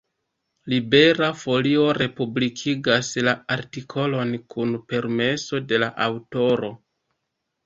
Libera Folio republikigas la artikolon kun permeso de la aŭtoro.